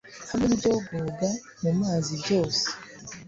hamwe n'ibyogoga mu mazi byose